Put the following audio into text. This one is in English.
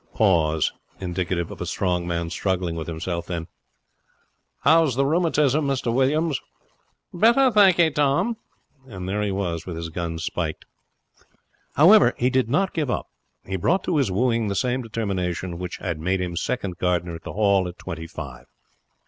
Pause, indicative of a strong man struggling with himself; then: 'How's the rheumatism, Mr Williams?' 'Better, thank'ee, Tom.' And there he was, with his guns spiked. However, he did not give up. He brought to his wooing the same determination which had made him second gardener at the Hall at twenty five.